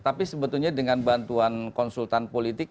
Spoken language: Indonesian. tapi sebetulnya dengan bantuan konsultan politik